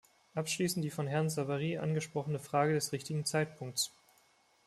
Abschließend die von Herrn Savary angesprochene Frage des richtigen Zeitpunkts.